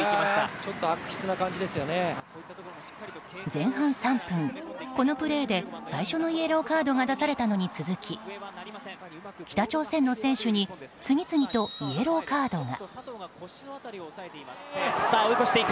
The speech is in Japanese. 前半３分、このプレーで最初のイエローカードが出されたのに続き北朝鮮の選手に次々とイエローカードが。